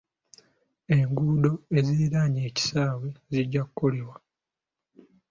Enguudo eziriraanye ekisaawe zijja kukolebwa.